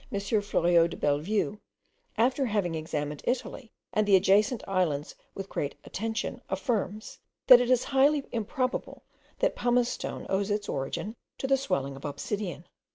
Fleuriau de Bellevue, after having examined Italy and the adjacent islands with great attention, affirms, that it is highly improbable that pumice stone owes its origin to the swelling of obsidian.